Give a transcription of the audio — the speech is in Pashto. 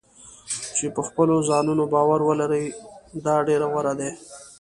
چې په خپلو ځانونو باور ولري دا ډېر غوره دی.